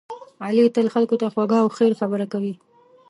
علی تل خلکو ته خوږه او خیر خبره کوي.